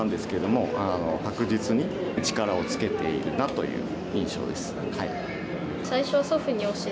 という印象です。